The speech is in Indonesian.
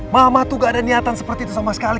mama tuh gak ada niatan seperti itu sama sekali